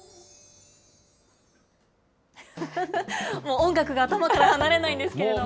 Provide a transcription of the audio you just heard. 音楽が頭から離れないんですけれども。